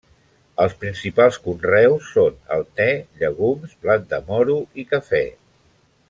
Els principals conreus són el te, llegums, blat de moro i cafè.